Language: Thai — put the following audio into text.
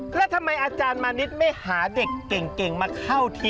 แล้วทำไมอาจารย์มานิดไม่หาเด็กเก่งมาเข้าที่